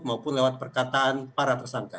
maupun lewat perkataan para tersangka